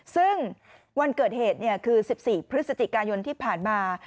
ซึ่งวันเกิดเหตุคือ๑๔พฤศจิกายนที่ผ่านมา